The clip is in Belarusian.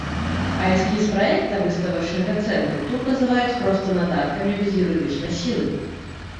А эскіз праекта выставачнага цэнтру тут называюць проста нататкамі без юрыдычнай сілы.